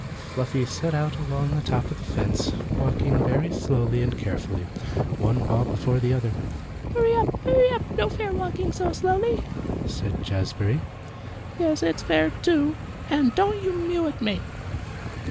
Fluffy set out along the top of the fence, walking very slowly and carefully, one paw before the other. "Hurry up! hurry up! No fair walking so slowly," said Jazbury. "Yes, it is fair, too. And don't you mew at me."